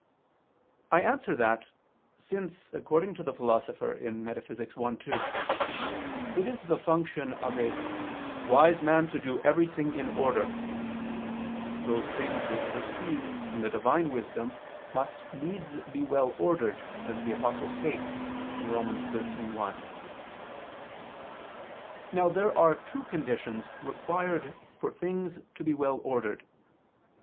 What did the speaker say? I answer that, Since, according to the Philosopher (Metaph. i, 2), it is the function of a "wise man to do everything in order," those things which proceed from the Divine wisdom must needs be well ordered, as the Apostle states (Rom. 13:1). Now there are two conditions required for things to be well ordered.